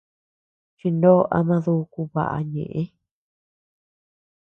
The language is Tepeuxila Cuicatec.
Chinoo ama duku baʼa ñeʼë.